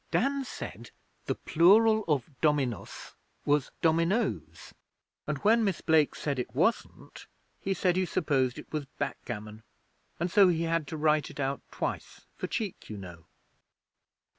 'Dan said the plural of "dominus" was "dominoes", and when Miss Blake said it wasn't he said he supposed it was "backgammon", and so he had to write it out twice for cheek, you know.'